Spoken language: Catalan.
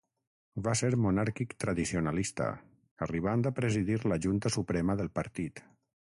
Va ser monàrquic tradicionalista, arribant a presidir la Junta Suprema del partit.